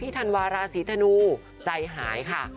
ธันวาราศีธนูใจหายค่ะ